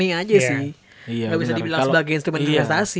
nggak bisa dibilang sebagai instrument investasi